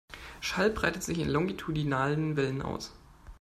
Schall breitet sich in longitudinalen Wellen aus.